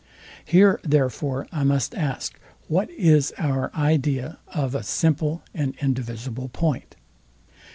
Here therefore I must ask, What is our idea of a simple and indivisible point?